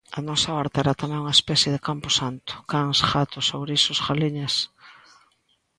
A nosa horta era tamén unha especie de camposanto: cans, gatos, ourizos, galiñas...